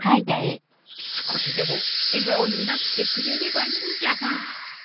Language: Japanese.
少しでも笑顔になってくれればいいんじゃが